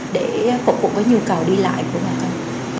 để phục vụ cái nhu cầu đi lại của bà con